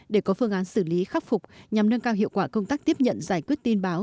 để có phương án xử lý khắc phục nhằm nâng cao hiệu quả công tác tiếp nhận giải quyết tin báo